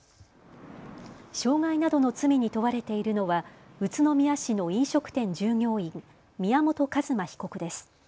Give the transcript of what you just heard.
傷害などの罪に問われているのは宇都宮市の飲食店従業員、宮本一馬被告です。